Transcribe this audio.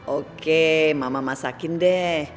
oke mama masakin deh